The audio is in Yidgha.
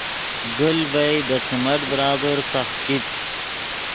گیل ڤئے دے سیمنٹ برابر سخت کیت